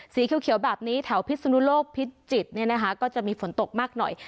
สีเขียวแบบนี้แถวพิศนุโลกพิจิตรเนี่ยนะคะก็จะมีฝนตกมากหน่อย